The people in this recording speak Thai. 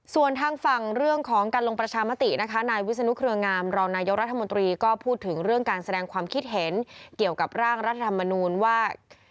ส่วนทางฝั่งเรื่องของการลงประชามตินะคะนายวิศนุเครืองามรองนายกรัฐมนตรีก็พูดถึงเรื่องการแสดงความคิดเห็นเกี่ยวกับร่างรัฐธรรมนูลว่า